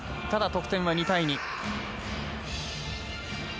ただ得点は２対２。